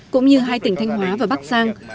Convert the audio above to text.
cũng như hai tỉnh thanh hóa và bắc giang